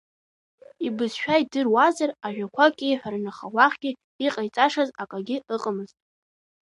Ибызшәа идыруазар ажәақәак иеиҳәарын аха уахьгьы иҟаиҵашаз акагьы ыҟамызт.